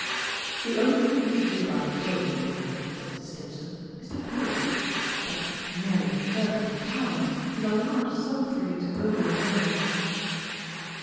"The only thing to do about a bill, my dear," said Mrs. Stimpson, "is to pay it. But nearly thirty pounds is a large sum for you to owe your milliner."